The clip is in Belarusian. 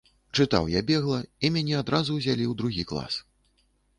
Чытаў я бегла, і мяне адразу ўзялі ў другі клас.